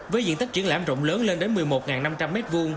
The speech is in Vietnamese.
với diện tích triển lãm rộng lớn lên đến một mươi một năm trăm linh m hai